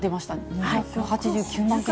２８９万件。